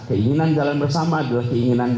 keinginan jalan bersama adalah keinginan